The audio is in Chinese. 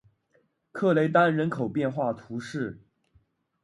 克雷丹人口变化图示